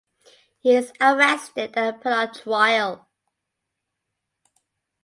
He is arrested and put on trial.